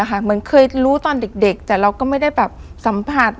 เหมือนเคยรู้ตอนเด็กแต่เราก็ไม่ได้แบบสัมผัส